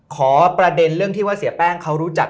ขอประเด็นเรื่องที่ว่าเสียแป้งเขารู้จัก